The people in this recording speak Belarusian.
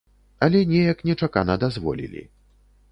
Але неяк нечакана дазволілі.